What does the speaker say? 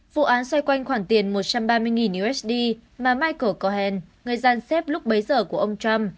vụ án xoay quanh khoản tiền một trăm ba mươi usd mà micros cohen người gian xếp lúc bấy giờ của ông trump